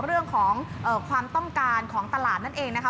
เรื่องของความต้องการของตลาดนั่นเองนะคะ